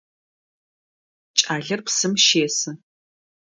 Кӏалэр псым щесы.